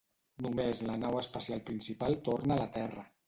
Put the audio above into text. Només la nau espacial principal torna a la Terra.